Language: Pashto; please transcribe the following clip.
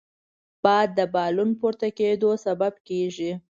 باد د بالون پورته کېدو سبب کېږي